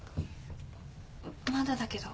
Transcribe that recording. まだだけど。